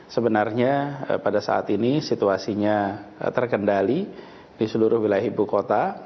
sebenarnya pada saat ini situasinya terkendali di seluruh wilayah ibu kota